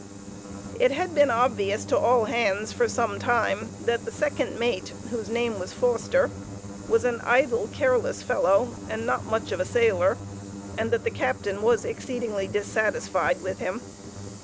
It had been obvious to all hands for some time that the second mate, whose name was Foster, was an idle, careless fellow, and not much of a sailor, and that the captain was exceedingly dissatisfied with him.